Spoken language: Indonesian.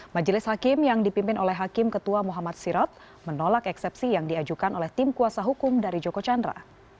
majelis hakim yang dipimpin oleh hakim ketua muhammad sirot menolak eksepsi yang diajukan oleh tim kuasa hukum dari joko chandra